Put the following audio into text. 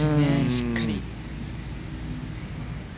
しっかり。